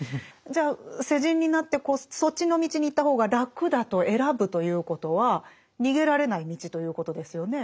じゃあ世人になってこうそっちの道に行った方が楽だと選ぶということは逃げられない道ということですよね？